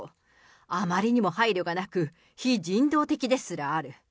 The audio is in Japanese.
あまりにも配慮がなく、非人道的ですらある。